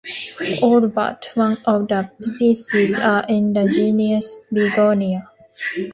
All but one of the species are in the genus "Begonia".